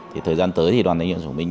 thời gian tới thì đoàn đại diện của mình